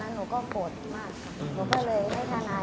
ตอนนี้โธจของคนตราตในที่เห็นโธจของคนตราตค่ะเราก็บ่ดมาก